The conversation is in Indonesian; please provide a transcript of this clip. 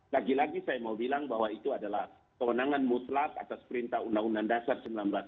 lagi lagi saya mau bilang bahwa itu adalah kewenangan mutlak atas perintah undang undang dasar seribu sembilan ratus empat puluh lima